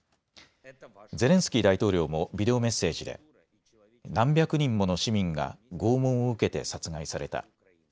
ゼレンスキー大統領もビデオメッセージで何百人もの市民が拷問を受けて殺害された。